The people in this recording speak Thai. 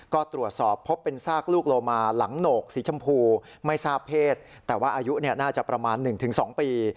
ก็ตรวจสอบพบเป็นซากลูกโลมาหลังโหนกสีชมพูไม่ทราบเพศแต่ว่าอายุน่าจะประมาณ๑๒ปี